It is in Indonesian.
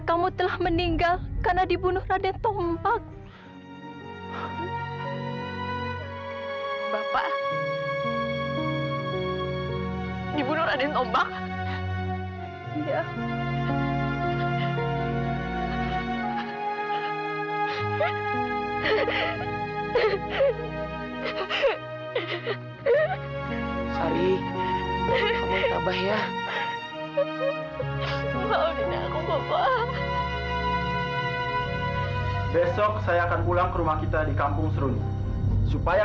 sampai jumpa di video selanjutnya